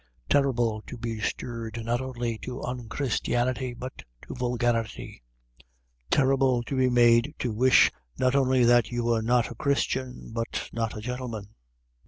Terrible to be stirred not only to unchristianity but to vulgarity. Terrible to be made to wish not only that you were not a Christian but not a gentleman.